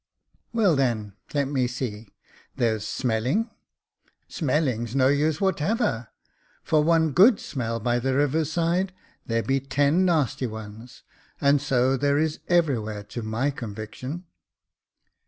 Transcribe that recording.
" Well, then, let me see, there's sme/ling." " Smelling's no use whatever. For one good smell by Jacob Faithful 201 the river's side, there be ten nasty ones ; and so there is everywhere, to my conviction."